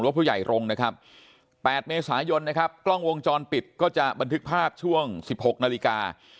ผู้ใหญ่รงค์นะครับ๘เมษายนนะครับกล้องวงจรปิดก็จะบันทึกภาพช่วง๑๖นาฬิกา